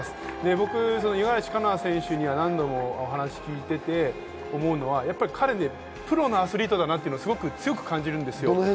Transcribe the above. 僕、五十嵐選手には何度も話を聞いていて、思うのは、プロのアスリートだなと強く感じるんですよ。